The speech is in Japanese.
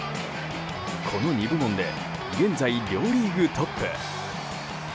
この２部門で現在、両リーグトップ。